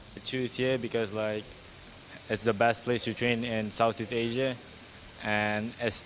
saya pilih sini karena ini adalah tempat terbaik untuk berlatih di asia tenggara